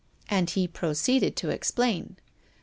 And he proceeded to explain.